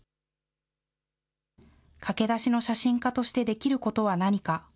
駆け出しの写真家としてできることは何か。